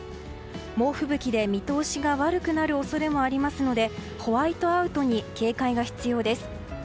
猛吹雪で見通しが悪くなる恐れもありますのでホワイトアウトに警戒が必要です。